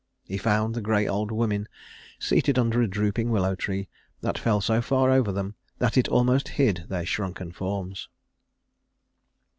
He found the Gray Old Women seated under a drooping willow tree that fell so far over them that it almost hid their shrunken forms.